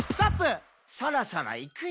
「そろそろいくよー」